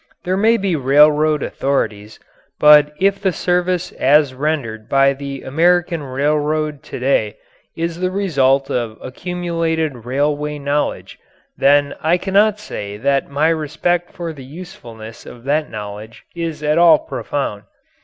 There may be railroad authorities, but if the service as rendered by the American railroad to day is the result of accumulated railway knowledge, then I cannot say that my respect for the usefulness of that knowledge is at all profound.